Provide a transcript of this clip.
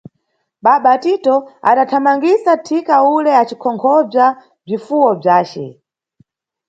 Baba Tito adathamangisa thika ule acikonkhobza bzifuwo bzace.